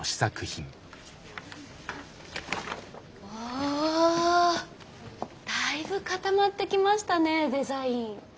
あだいぶ固まってきましたねデザイン。